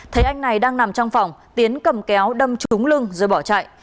thấy anh này đang nằm trong phòng tiến cầm kéo đâm trúng lưng rồi bỏ chạy